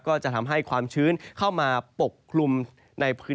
ก็จะมีการแผ่ลงมาแตะบ้างนะครับ